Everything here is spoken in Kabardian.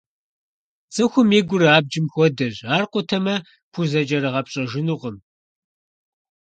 ЦӀыхум и гур абджым хуэдэщ, ар къутамэ, пхузэкӀэрыгъэпщӀэжынукъым.